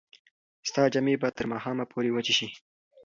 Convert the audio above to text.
ستا جامې به تر ماښامه پورې وچې شي.